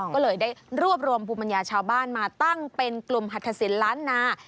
ก็เลยได้รวบรวมภูมิปัญญาชาวบ้านมาตั้งเป็นกลุ่มหัตถสินล้านนา